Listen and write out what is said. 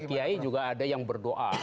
kiai juga ada yang berdoa